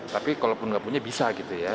tapi kalau enggak punya bisa gitu ya